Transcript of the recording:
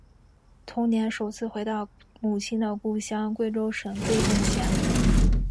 同年首次回到母亲的故乡贵州省贵定县。